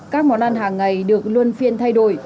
các món ăn hàng ngày được luân phiên thay đổi